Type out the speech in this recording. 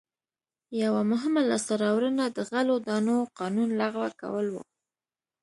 یوه مهمه لاسته راوړنه د غلو دانو قانون لغوه کول و.